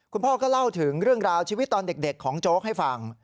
คุณพ่อก็เล่าถึงเรื่องราวชีวิตตอนเด็กของโจ๊กให้ฟัง